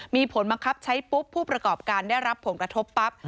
มีผลบังคับใช้ปุ๊บผู้ประกอบการได้รับผลกระทบปั๊บ